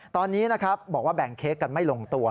ตอนนี้นะครับบอกว่าแบ่งเค้กกันไม่ลงตัว